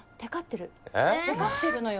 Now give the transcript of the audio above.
テカってるのよ。